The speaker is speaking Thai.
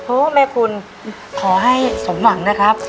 แม่คุณขอให้สมหวังนะครับ